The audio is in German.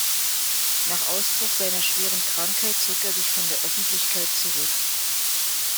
Nach Ausbruch seiner schweren Krankheit zog er sich von der Öffentlichkeit zurück.